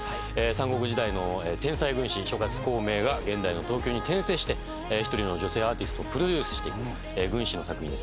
三国時代の天才軍師諸葛孔明が現代の東京に転生して一人の女性アーティストをプロデュースしていく軍師の作品です。